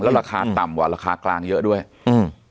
ราคาต่ำกว่าราคากลางเยอะด้วยอืม